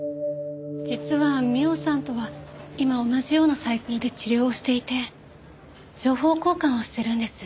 実は美緒さんとは今同じようなサイクルで治療をしていて情報交換をしてるんです。